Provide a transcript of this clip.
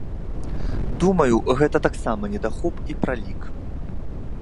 Думаю, гэта таксама недахоп і пралік.